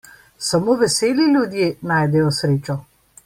Samo veseli ljudje najdejo srečo.